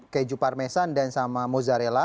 keju parmesan dan sama mozzarella